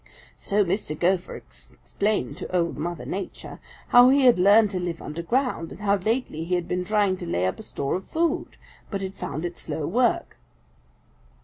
"So Mr. Gopher explained to Old Mother Nature how he had learned to live underground and how lately he had been trying to lay up a store of food but had found it slow work.